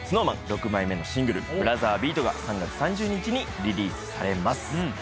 ＳｎｏｗＭａｎ６枚目のシングル『ブラザービート』が３月３０日にリリースされます。